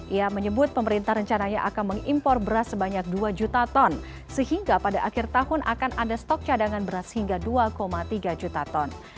ia menyebut pemerintah rencananya akan mengimpor beras sebanyak dua juta ton sehingga pada akhir tahun akan ada stok cadangan beras hingga dua tiga juta ton